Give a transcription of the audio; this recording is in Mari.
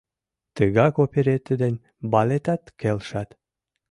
Тыгак оперетте ден балетат келшат.